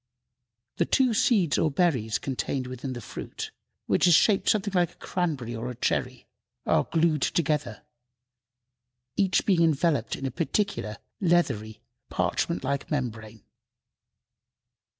The two seeds or berries contained within the fruit, which is shaped something like a cranberry or a cherry, are glued together, each being enveloped in a peculiar, leathery, parchment like membrane.